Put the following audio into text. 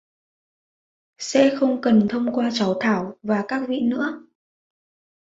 sẽ không cần thông qua cháu Thảo và các vị nữa